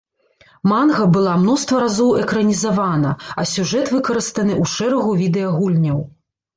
Манга была мноства разоў экранізавана, а сюжэт выкарыстаны ў шэрагу відэа-гульняў.